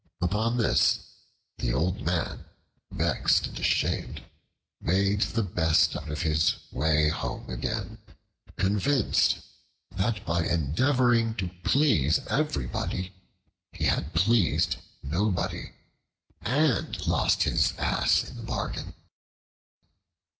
Upon this, the old man, vexed and ashamed, made the best of his way home again, convinced that by endeavoring to please everybody he had pleased nobody, and lost his Ass in the bargain.